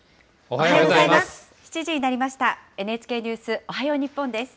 おはようございます。